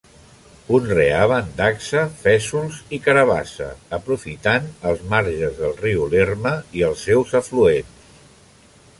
Conreaven dacsa, fesols i carabassa, aprofitant els marges del riu Lerma i els seus afluents.